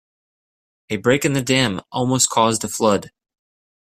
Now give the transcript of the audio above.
A break in the dam almost caused a flood.